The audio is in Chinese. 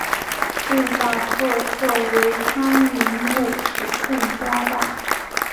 最大特色为双萤幕尺寸加大。